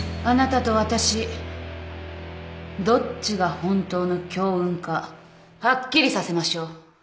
あなたと私どっちが本当の強運かはっきりさせましょう